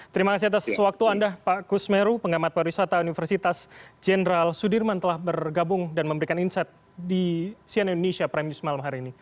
terima kasih atas waktu anda pak kusmeru pengamat pariwisata universitas jenderal sudirman telah bergabung dan memberikan insight di sian indonesia prime news malam hari ini